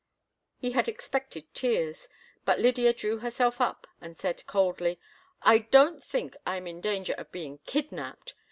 He had expected tears, but Lydia drew herself up and said, coldly: "I don't think I am in danger of being kidnapped.